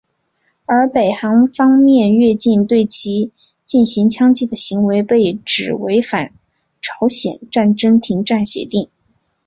而北韩方面越境对其进行枪击的行为被指违反朝鲜战争停战协定。